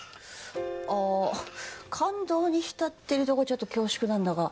あぁ感動に浸ってるとこちょっと恐縮なんだが。